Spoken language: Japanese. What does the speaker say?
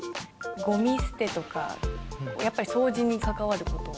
ゴミ捨てとかやっぱり掃除に関わること。